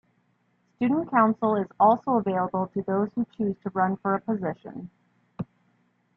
Student Council is also available to those who choose to run for a position.